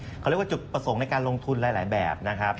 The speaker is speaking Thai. เขาเรียกว่าจุดประสงค์ในการลงทุนหลายแบบนะครับ